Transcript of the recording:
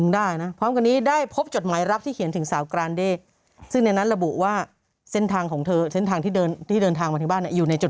เดินทางมาถึงบ้านเนี่ยอยู่ในจดหมายนั้นด้วย